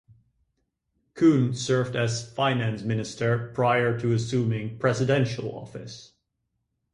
Kun served as finance minister, prior to assuming Presidential office.